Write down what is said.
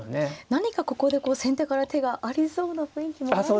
何かここで先手から手がありそうな雰囲気もあるんでが。